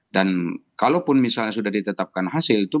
dan kalaupun misalnya sudah ditetapkan hasil itu